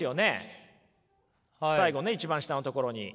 最後ね１番下のところに。